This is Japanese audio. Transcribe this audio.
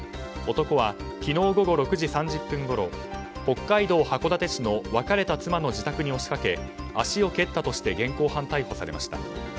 男は、昨日午後６時３０分ごろ北海道函館市の別れた妻の自宅に押しかけ足を蹴ったとして現行犯逮捕されました。